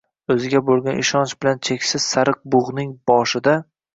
O'ziga bo'lgan ishonch bilan, cheksiz sariq bug'ning boshida.